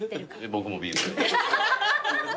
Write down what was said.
僕もビールで。